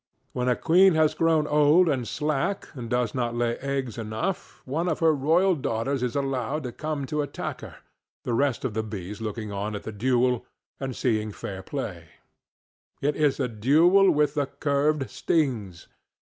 When a queen has grown old and slack and does not lay eggs enough one of her royal daughters is allowed to come to attack her, the rest of the bees looking on at the duel and seeing fair play. It is a duel with the curved stings.